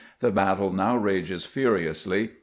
The battle now rages furiously.